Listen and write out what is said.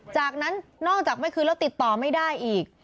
จากนั้นนอกจากไม่คืนแล้วติดต่อไม่ได้อีก